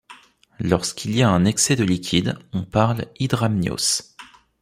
Lorsqu'il y a un excès de liquide, on parle hydramnios.